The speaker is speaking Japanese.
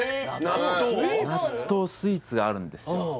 納豆スイーツがあるんです